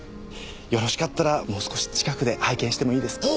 よろしかったらもう少し近くで拝見してもいいですか？